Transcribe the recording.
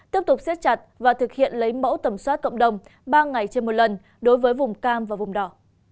tiếp tục xét chặt và thực hiện lấy mẫu tẩm soát cộng đồng ba ngày trên một lần đối với vùng cam và vùng đỏ